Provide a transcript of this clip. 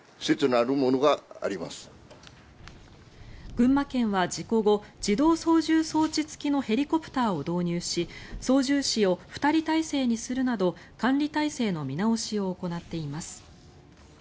群馬県は事故後自動操縦装置付きのヘリコプターを導入し操縦士は２人体制にするなど管理体制の見直しを行っています。